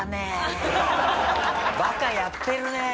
バカやってるねえ。